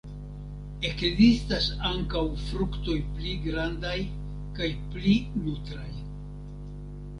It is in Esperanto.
Ekzistas ankaŭ fruktoj pli grandaj kaj pli nutraj.